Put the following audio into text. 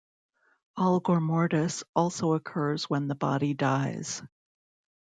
Algor mortis also occurs when the body dies.